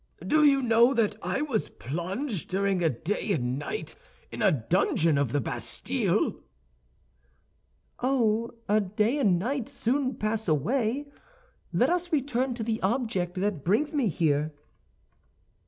"Do you know that I was plunged during a day and night in a dungeon of the Bastille?" "Oh, a day and night soon pass away. Let us return to the object that brings me here."